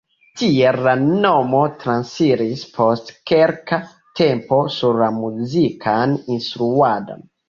Tiel la nomo transiris post kelka tempo sur la muzikan instruadon.